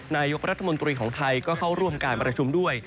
นายกรัฐมนตรีของไทยก็เข้าร่วมการประชุมด้วย